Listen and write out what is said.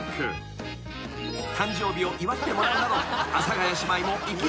［誕生日を祝ってもらうなど］